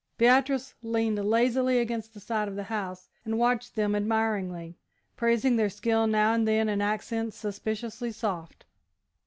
Beatrice leaned lazily against the side of the house and watched them admiringly, praising their skill now and then in accents suspiciously soft.